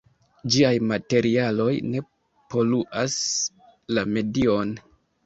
Ĝiaj materialoj ne poluas la medion.